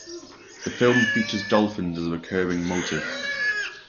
The film features dolphins as a recurring motif.